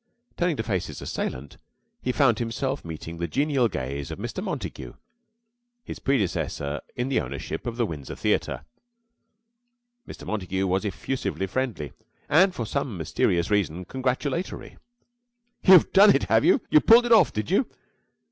Turning to face his assailant, he found himself meeting the genial gaze of Mr. Montague, his predecessor in the ownership of the Windsor Theater. Mr. Montague was effusively friendly, and, for some mysterious reason, congratulatory. "You've done it, have you? You pulled it off, did you?